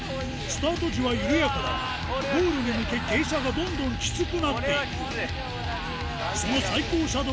スタート時は緩やかだが、ゴールに向け傾斜がどんどんきつくなっていく。